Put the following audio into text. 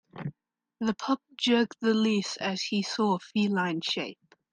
The pup jerked the leash as he saw a feline shape.